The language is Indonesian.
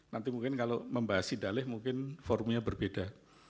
nanti mungkin kalau membahas sirikap mungkin formnya berbeda